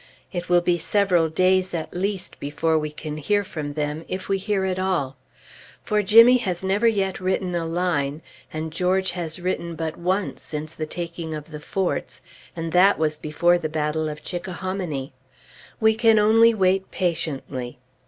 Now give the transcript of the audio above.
It will be several days at least, before we can hear from them, if we hear at all; for Jimmy has never yet written a line, and George has written but once since the taking of the forts, and that was before the battle of Chickahominy. We can only wait patiently.